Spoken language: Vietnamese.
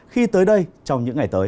khi tới đây trong những ngày tới